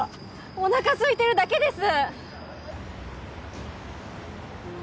おなかすいてるだけです！